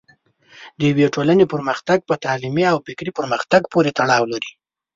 د یوې ټولنې پرمختګ په تعلیمي او فکري پرمختګ پورې تړاو لري.